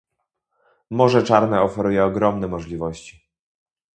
Morze Czarne oferuje ogromne możliwości